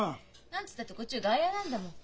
何つったってこっちは外野なんだもん。